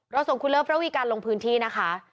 เราส่งคุณเลือดพระวิกันลงพื้นที่นะคะ